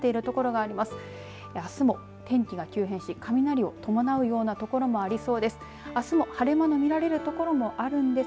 あすも天気が急変し雷を伴うような所もありそうです。